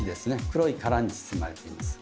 黒い殻に包まれています。